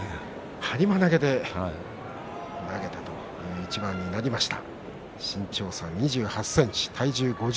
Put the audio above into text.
はりま投げで投げたという一番になりました。